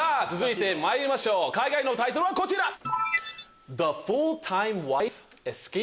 続いてまいりましょう海外のタイトルはこちら！